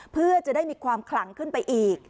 เพื่อจะได้มีความขลังขึ้นไปอีก